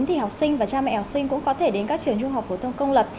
thì học sinh và cha mẹ học sinh cũng có thể đến các trường trung học phổ thông công lập